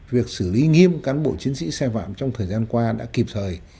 việc xử lý nghiêm cán bộ chiến sĩ xe vạm trong thời gian qua đã kịp thời